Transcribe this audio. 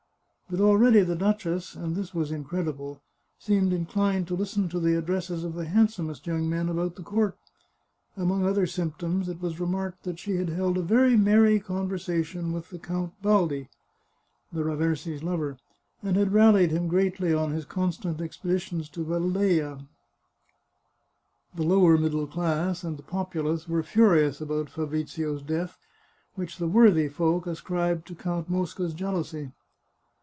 But already the duchess (and this was incredible) seemed in clined to listen to the addresses of the handsomest young men about the court. Among other symptoms it was remarked that she had held a very merry conversation with Count Bal di, the Raversi's lover, and had rallied him greatly on his con stant expeditions to Velleia. The lower middle class and the populace were furious about Fabrizio's death, which the worthy folk ascribed to Count Mosca's jealousy.